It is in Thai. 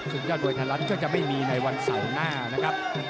สุขเจ้าโดยธรรมก็จะไม่มีในวันสายหน้านะครับ